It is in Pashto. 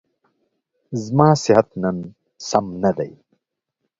زما صحت نن سم نه دی.